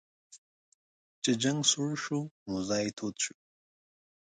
چې جنګ سوړ شو موذي تود شو.